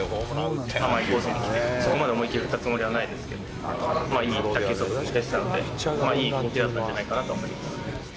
甘いコースにきて、そこまで思い切り振ったつもりはないんですけど、いい打球速度も出ていたので、いい動きだったんじゃないかなと思います。